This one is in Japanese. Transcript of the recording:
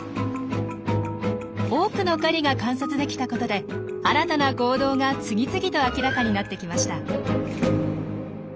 多くの狩りが観察できたことで新たな行動が次々と明らかになってきました。